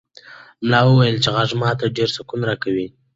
ملا وویل چې غږ ماته ډېر سکون راکوي.